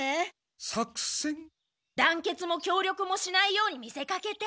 団結も協力もしないように見せかけて。